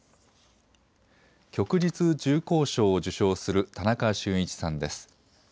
旭日重光章を受章する田中俊一さんです。